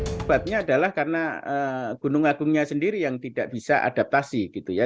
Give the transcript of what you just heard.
sebabnya adalah karena gunung agungnya sendiri yang tidak bisa adaptasi gitu ya